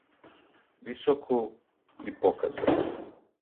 високу, и показа